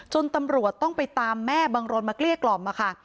ตำรวจต้องไปตามแม่บังรนมาเกลี้ยกล่อมค่ะ